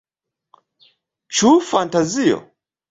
Ĉu fantazio?